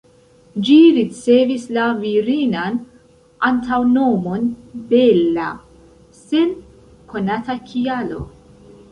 Ĝi ricevis la virinan antaŭnomon ""Bella"" sen konata kialo.